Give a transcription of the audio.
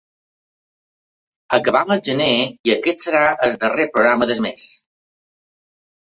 Acabem el gener i aquest serà el darrer programa del mes.